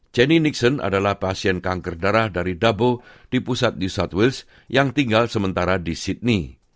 jenny nixon adalah pasien kanker darah dari dabo di pusat new south waze yang tinggal sementara di sydney